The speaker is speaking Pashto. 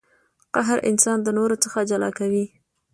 قهر انسان د نورو څخه جلا کوي.